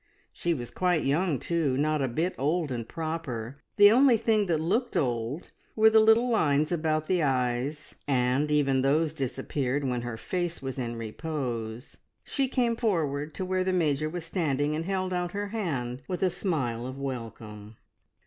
She was quite young, too, not a bit old and proper; the only thing that looked old were the little lines about the eyes, and even those disappeared when her face was in repose. She came forward to where the major was standing, and held out her hand with a smile of welcome.